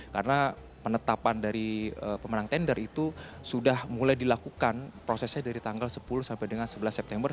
karena penetapan dari pemenang tender itu sudah mulai dilakukan prosesnya dari tanggal sepuluh sampai dengan sebelas september